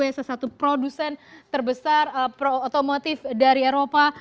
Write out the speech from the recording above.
salah satu produsen terbesar otomotif dari eropa